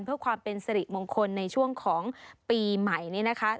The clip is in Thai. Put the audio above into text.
เพื่อความเป็นสิริมงคลในช่วงของปีใหม่นี้นะคะ